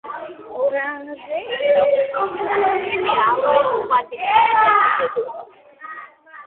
ორანჟერეებსა და ოთახებში ხშირია ალოეს სხვა, დეკორატიული სახეობებიც.